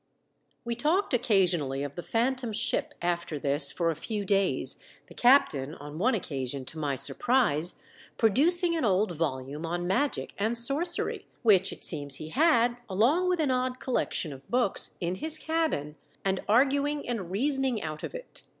We talked occasionally of the Phantom Ship after this for a few days, the captain on one occasion, to my surprise, producing an old volume on magic and sorcery which it seems he had, along with an odd collection of books, in his cabin, and arguing and reasoning out of it.